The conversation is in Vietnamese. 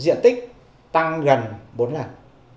diện tích tăng gần bốn lần